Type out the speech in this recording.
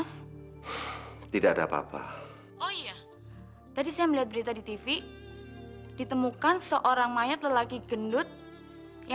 sampai jumpa di video selanjutnya